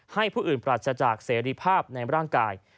ให้ผู้อื่นปราศจากเสรีภาพในร่างกาย